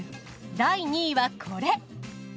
第２位はこれ。